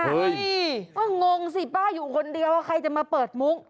เฮ้ยก็งงสิป้าอยู่คนเดียวว่าใครจะมาเปิดมุ้ง